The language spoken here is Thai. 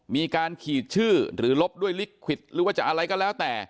มีการขีดชื่อหรือลบด้วยลิขวิตหรือว่าจะอะไรก็แล้วแต่